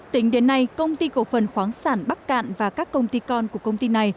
tính đến nay công ty cổ phần khoáng sản bắc cạn và các công ty con của công ty này